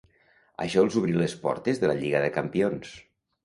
Això els obri les portes de la Lliga de Campions.